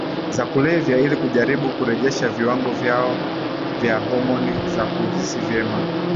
za kulevya ili kujaribu kurejesha viwango vyao vya homoni za kuhisi vyema